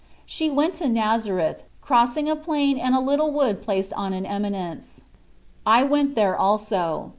She went to Nazareth, crossing a plain and a little wood placed on an eminence. I went there also.